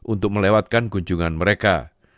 untuk melewatkan kunjungan mereka